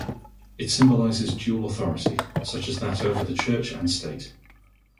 It symbolises dual authority, such as that over the church and state.